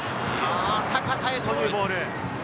阪田へというボール。